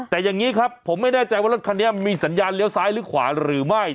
แต่อย่างนี้ครับผมไม่แน่ใจว่ารถคันนี้มีสัญญาณเลี้ยวซ้ายหรือขวาหรือไม่